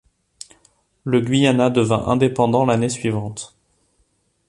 Le Guyana devint indépendant l'année suivante.